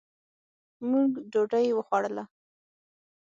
مونږ ډوډي وخوړله